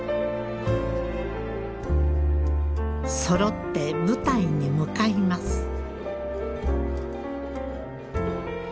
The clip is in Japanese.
そろって舞台に向かいます。